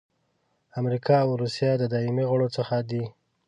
امریکا او روسیه د دایمي غړو څخه دي.